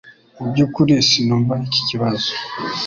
Mu byukuri sinumva iki kibazo